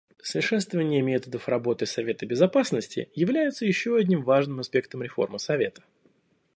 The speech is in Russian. Совершенствование методов работы Совета Безопасности является еще одним важным аспектом реформы Совета.